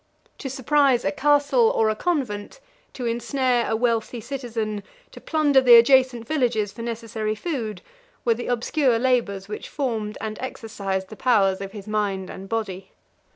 To surprise a castle or a convent, to ensnare a wealthy citizen, to plunder the adjacent villages for necessary food, were the obscure labors which formed and exercised the powers of his mind and body.